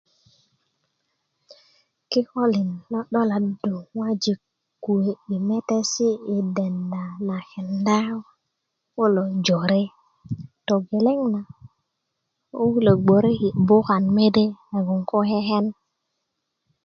kikolin lo doladú ŋojik kuwe i metesi' i denda na kenda kulo jore togeleŋ na ko kulo gböröki' bukan mede nagoŋ ko keken